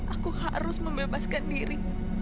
aku harus membebaskan diri